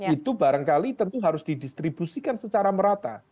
itu barangkali tentu harus didistribusikan secara merata